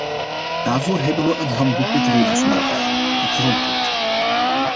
Daarvoor hebben we een handboek met regels nodig: een grondwet.